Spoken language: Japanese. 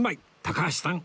高橋さん